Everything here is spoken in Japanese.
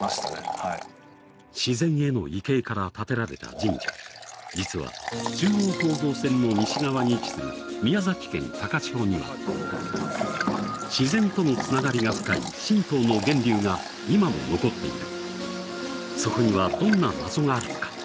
はい自然への畏敬から建てられた神社実は中央構造線の西側に位置する宮崎県高千穂には自然とのつながりが深い神道の源流が今も残っているそこにはどんな謎があるのか？